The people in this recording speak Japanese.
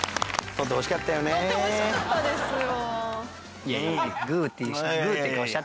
取ってほしかったですよ。